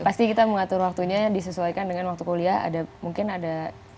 pasti kita mengatur waktunya disesuaikan dengan waktu kuliah ada mungkin ada